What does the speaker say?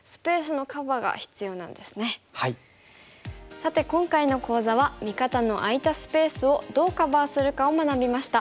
さて今回の講座は味方の空いたスペースをどうカバーするかを学びました。